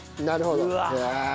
なるほど。